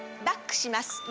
バックします。